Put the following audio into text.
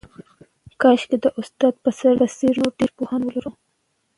کاشکې د استاد پسرلي په څېر نور ډېر پوهان ولرو.